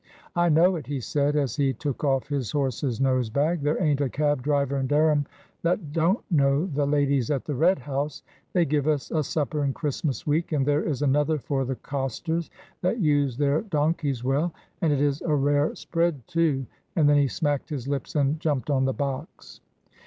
"I know it," he said, as he took off his horse's nose bag. "There ain't a cab driver in Dereham that don't know the ladies at the Red House; they give us a supper in Christmas week, and there is another for the costers that use their donkeys well and it is a rare spread, too;" and then he smacked his lips and jumped on the box.